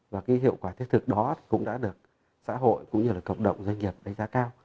và hiệu quả thiết thực đó cũng đã được xã hội cũng như cộng động doanh nghiệp đánh giá cao